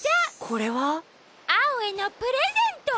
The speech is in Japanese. これは？アオへのプレゼント！